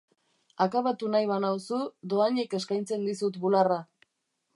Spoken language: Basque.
Akabatu nahi banauzu, dohainik eskaintzen dizut bularra!